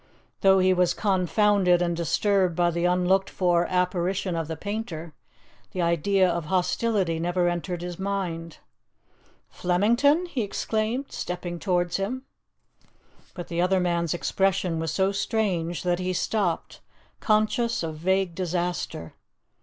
Though he was confounded and disturbed by the unlooked for apparition of the painter, the idea of hostility never entered his mind. "Flemington?" he exclaimed, stepping towards him. But the other man's expression was so strange that he stopped, conscious of vague disaster.